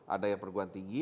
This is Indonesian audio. ada yang perguruan tinggi